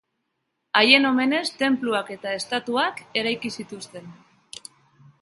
Haien omenez tenpluak eta estatuak eraiki zituzten.